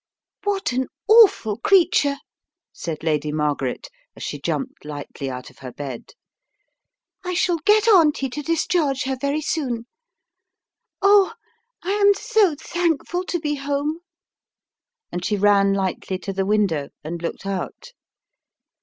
" What an awful creature," said Lady Margaret as she jumped lightly out of her bed. "I shall get Auntie to discharge her very soon. Oh, I am so thankful to be home," and she ran lightly to the win dow and looked out.